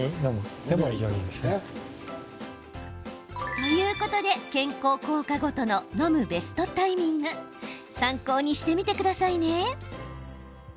ということで健康効果ごとの飲むベストタイミング参考にしてみてくださいね。